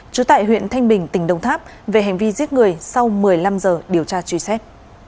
trú tại huyện thanh bình tỉnh đồng tháp về hành vi giết người sau một mươi năm giờ điều tra truy xét